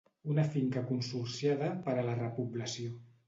Una finca consorciada per a la repoblació.